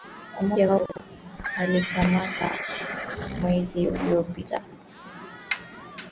mmoja wao alikamatwa mwezi uliopita akiwa na risasi